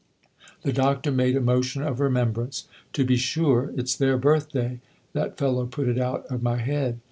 The Doctor made a motion of remembrance. " To be sure it's their birthday : that fellow put it out of my head.